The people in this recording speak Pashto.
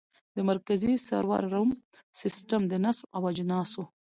د مرکزي سرور روم سیسټم د نصب او اجناسو